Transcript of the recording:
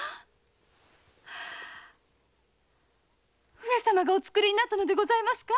上様がお作りになったのでございますか？